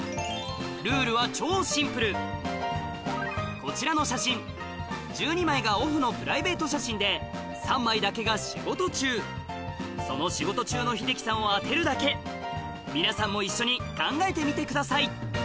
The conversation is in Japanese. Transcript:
こちらの写真１２枚がオフのプライベート写真で３枚だけが仕事中その仕事中の英樹さんを当てるだけ皆さんも一緒に考えてみてください